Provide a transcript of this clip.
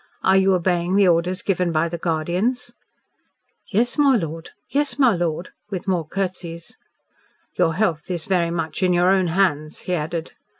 "Are you obeying the orders given by the Guardians?" "Yes, my lord. Yes, my lord," with more curtsys. "Your health is very much in your own hands," he added.